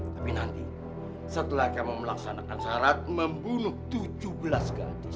tapi nanti setelah kamu melaksanakan syarat membunuh tujuh belas ganti